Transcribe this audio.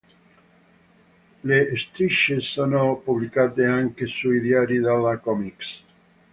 Le strisce sono pubblicate anche sui diari della Comix.